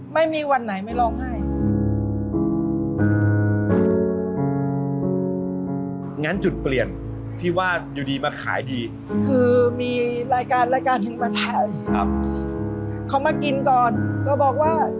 มาขายดีคือมีรายการรายการให้มาถ่ายครับเขามากินก่อนก็บอกว่า